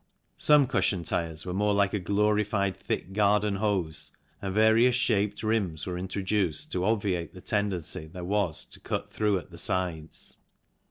Some cushion tyres were more like a glorified thick garden hose, and various shaped rims were introduced to obviate the tendency there was to cut through at the sides.